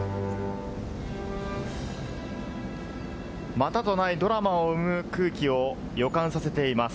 またとないドラマを生む空気を予感させています。